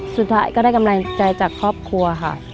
สุดท้ายก็ได้กำลังใจจากครอบครัวค่ะ